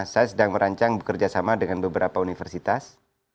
saya sedang merancang bekerja sama dengan beberapa universitas